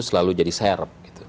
selalu jadi serep